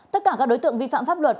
tất cả các đối tượng vi phạm pháp luật